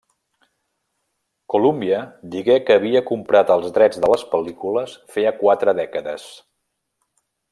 Columbia digué que havia comprat els drets de les pel·lícules feia quatre dècades.